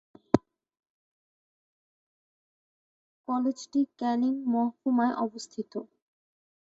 কলেজটি ক্যানিং মহকুমায় অবস্থিত।